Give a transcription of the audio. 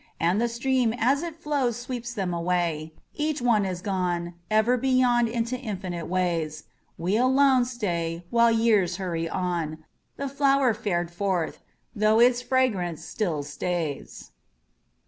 And the stream as it flows Sweeps them away, Each one is gone Ever beyond into infinite ways. We alone stay While years hurry on, The flower fared forth, though its fragrance still stays.